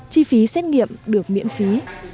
chi phí xét nghiệm được miễn phí